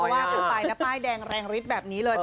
ว่ากันไปนะป้ายแดงแรงฤทธิ์แบบนี้เลย